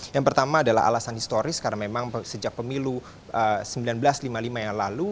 yang pertama adalah alasan historis karena memang sejak pemilu seribu sembilan ratus lima puluh lima yang lalu